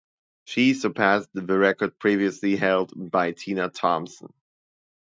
She surpassed the record previously held by Tina Thompson.